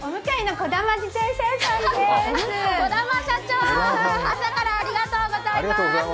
コダマ社長、朝からありがとうございます。